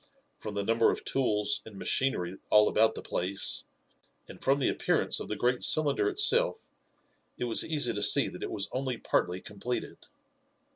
From the number of tools and machinery all about the place, and from the appearance of the great cylinder itself, it was easy to see that it was only partly completed.